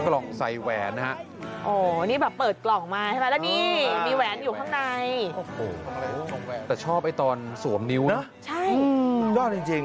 ใส่แหวนนะฮะโอ้นี่แบบเปิดกล่องมาใช่ไหมแล้วนี่มีแหวนอยู่ข้างในโอ้โหแต่ชอบไอ้ตอนสวมนิ้วนะใช่สุดยอดจริง